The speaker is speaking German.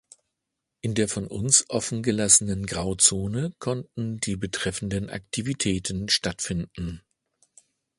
In der von uns offen gelassenen Grauzone konnten die betreffenden Aktivitäten stattfinden.